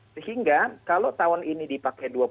sehingga kalau tahun ini dipakai dua puluh